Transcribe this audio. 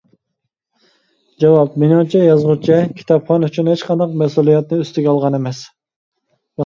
جاۋاب:مېنىڭچە، يازغۇچى كىتابخان ئۈچۈن ھېچقانداق مەسئۇلىيەتنى ئۈستىگە ئالغان ئەمەس.